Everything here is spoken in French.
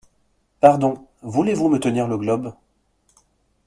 Pardon… voulez-vous me tenir le globe ?